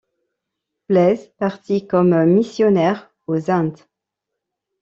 Blaise partit comme missionnaire aux Indes.